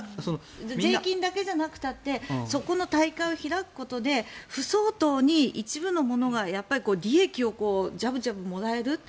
税金だけじゃなくたってそこの大会を開くことで不相当に一部の者が利益をジャブジャブもらえる。